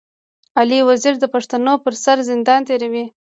علي وزير د پښتنو پر سر زندان تېروي.